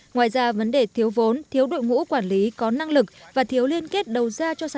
ngoài ra vấn đề thiếu vốn thiếu đội ngũ quản lý có năng lực và thiếu liên kết đầu ra cho sản